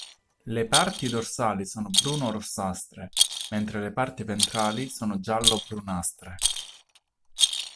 Le parti dorsali sono bruno-rossastre, mentre le parti ventrali sono giallo-brunastre.